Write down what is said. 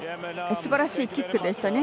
すばらしいキックでしたね。